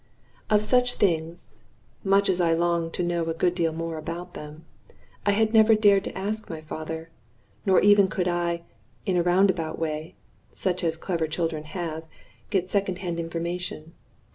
Of such things (much as I longed to know a good deal more about them) I never had dared to ask my father; nor even could I, in a roundabout way, such as clever children have, get second hand information.